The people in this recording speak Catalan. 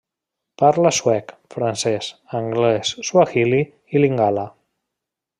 Parla suec, francès, anglès, suahili i lingala.